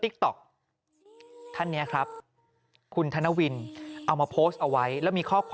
ทิลลิทิลลิอารมณ์ของเหี้ยน